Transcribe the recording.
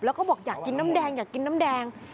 แล้วก็บอกอยากกินน้ำแดงอยากกินน้ำแดง